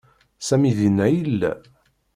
Sami dinna i yella.